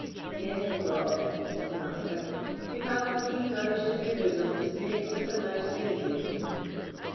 "Yes, Bucklaw," said the Master, "you have indeed nourished in your bosom the snakes that are now stinging you."